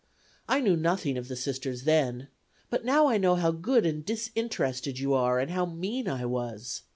I knew nothing of the Sisters then. But now I know how good and disinterested you are and how mean I was.